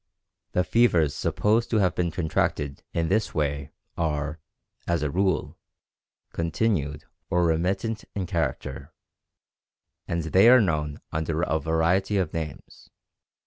The fevers supposed to have been contracted in this way are, as a rule, continued or remittent in character, and they are known under a variety of names.